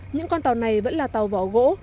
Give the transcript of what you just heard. những con tàu này vẫn là tàu vỏ gỗ